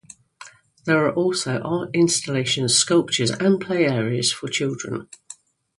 There are also art installations, sculptures, and play areas for children.